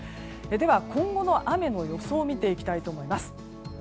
では、今後の雨の予想を見ていきたいと思います。